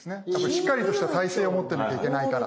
しっかりとした体制を持ってないといけないから。